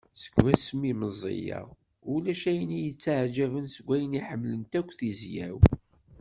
Segmi meẓẓiyeɣ ulac acu iyi-ttaɛǧaben deg wayen i ḥemmlent akk tizya-w.